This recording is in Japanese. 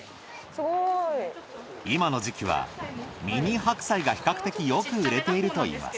今の時期はミニ白菜が比較的よく売れているといいます。